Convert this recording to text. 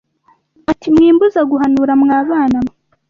Ati mwimbuza guhanura mwabana mwe